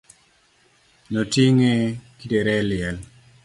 No ting'e kitere e liel.